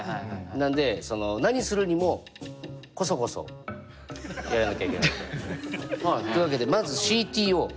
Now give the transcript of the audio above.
なんでその何するにもこそこそやらなきゃいけないと。というわけでまずＣＴＯ。